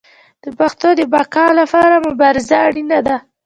د پښتو د بقا لپاره مبارزه اړینه ده.